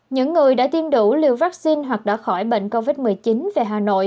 những người đã tiêm đủ liều vaccine hoặc đã khỏi bệnh covid một mươi chín về hà nội